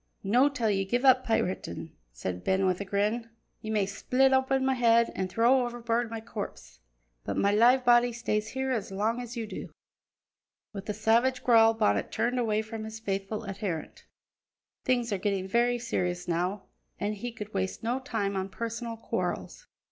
"No' till ye give up piratin'," said Ben with a grin. "Ye may split open my head, an' throw overboard my corpse, but my live body stays here as long as ye do." With a savage growl Bonnet turned away from his faithful adherent. Things were getting very serious now and he could waste no time on personal quarrels.